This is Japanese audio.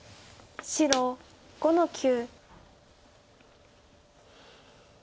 白５の九。